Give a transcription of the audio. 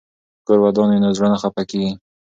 که کور ودان وي نو زړه نه خفه کیږي.